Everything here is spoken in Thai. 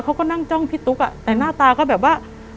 เขาก็นั่งจ้องพี่ตุ๊กอะ